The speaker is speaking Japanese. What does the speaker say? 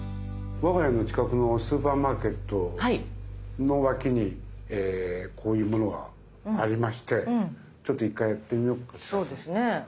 我が家の近くのスーパーマーケットの脇にこういうものがありましてちょっと１回やってみようかなと。